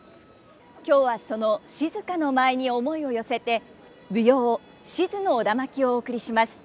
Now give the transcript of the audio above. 今日はその静の舞に思いを寄せて舞踊「賤の苧環」をお送りします。